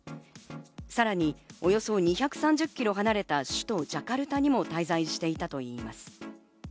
さらにおよそ２３０キロ離れた首都ジャカルタにも滞在していたといいます。